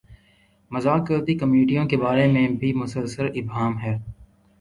مذاکرتی کمیٹیوں کے بارے میں بھی مسلسل ابہام ہے۔